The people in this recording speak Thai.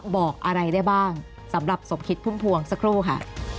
บอกอะไรได้บ้างสำหรับสมคิดพุ่มพวงสักครู่ค่ะ